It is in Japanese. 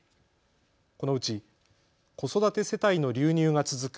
このうち子育て世帯の流入が続く